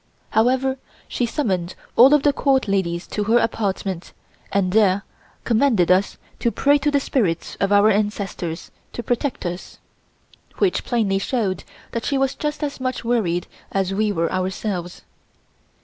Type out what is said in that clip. However, she summoned all of the Court ladies to her apartment and there commanded us to pray to the spirits of our ancestors to protect us, which plainly showed that she was just as much worried as we were ourselves.